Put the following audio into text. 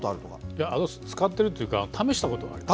いや、使ってるっていうか、試したことはあります。